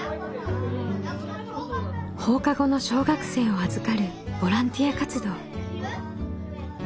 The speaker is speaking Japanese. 放課後の小学生を預かるボランティア活動。